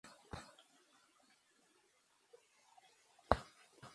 Más tarde, construirán ahí mismo la Fundación.